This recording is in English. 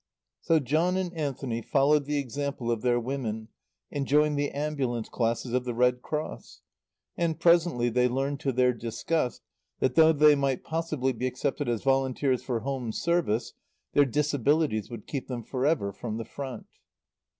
So John and Anthony followed the example of their women, and joined the ambulance classes of the Red Cross. And presently they learned to their disgust that, though they might possibly be accepted as volunteers for Home Service, their disabilities would keep them forever from the Front.